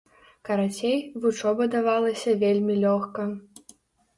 Карацей, вучоба давалася вельмі лёгка.